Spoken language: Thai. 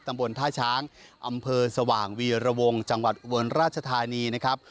ตำบลท่าช้างอำเภอสว่างวีรวงจังหวัดอุบลราชธานีนะครับ